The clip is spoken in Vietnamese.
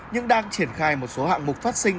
nhưng đang triển khai một số hạng mục phát sinh